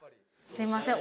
すいません